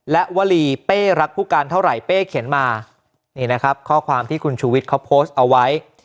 และวลีเป้รักผู้การเท่าไหร่เป้เขียนมานี่นะครับข้อความที่คุณชูวิทย์เขาโพสต์เอาไว้